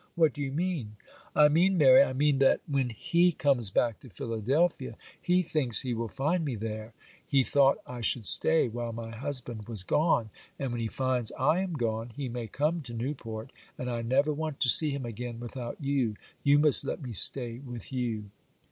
'What do you mean?' 'I mean, Mary,—I mean that when he comes back to Philadelphia he thinks he will find me there; he thought I should stay while my husband was gone; and when he finds I am gone he may come to Newport; and I never want to see him again without you; you must let me stay with you.